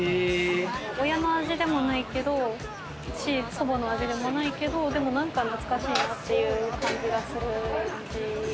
親の味でもないけど祖母の味でもないけど、なんか懐かしいなっていう感じがする。